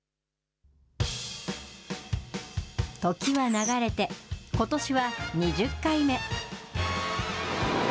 時は流れて、ことしは２０回目。